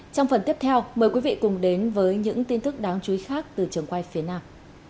trong phần tiếp theo mời quý vị cùng đến với những tin tức đáng chú ý khác từ trường quay phía nam